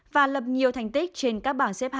và lập nhiều thành tích trên các bảng